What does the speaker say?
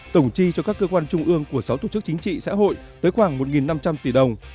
tổng chi cho các cơ quan trung ương của sáu tổ chức chính trị xã hội tới khoảng một năm trăm linh tỷ đồng